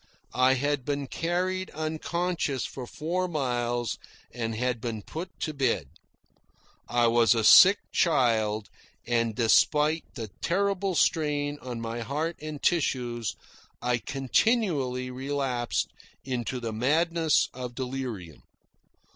I had been carried unconscious for four miles and been put to bed. I was a sick child, and, despite the terrible strain on my heart and tissues, I continually relapsed into the madness of delirium.